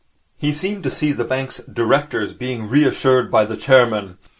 He seemed to see the bank's directors being reassured by the chairman.